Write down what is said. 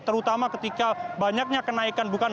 terutama ketika banyaknya kenaikan